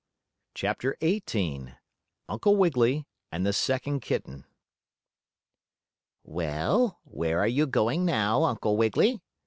CHAPTER XVIII UNCLE WIGGILY AND THE SECOND KITTEN "Well, where are you going now, Uncle Wiggily?"